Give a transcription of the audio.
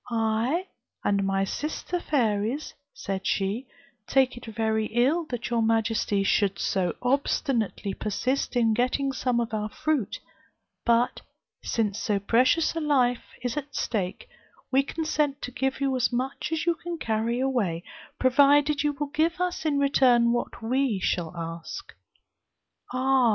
'I, and my sister fairies,' said she, 'take it very ill that your majesty should so obstinately persist in getting some of our fruit; but since so precious a life is at stake, we consent to give you as much as you can carry away, provided you will give us in return what we shall ask.' 'Ah!